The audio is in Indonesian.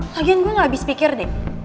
lagian gue gak abis pikir deh